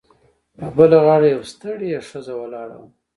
په بله غاړه یوه ستړې ښځه ولاړه وه